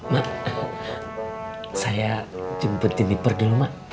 mak saya jemputin diper dulu mak